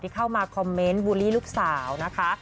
ที่เข้ามาคอมเมนต์บุรีลูกสาวนะคะ